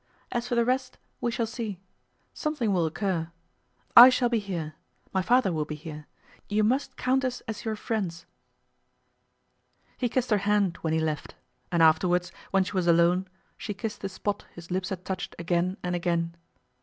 As for the rest, we shall see. Something will occur. I shall be here. My father will be here. You must count us as your friends.' He kissed her hand when he left, and afterwards, when she was alone, she kissed the spot his lips had touched again and again.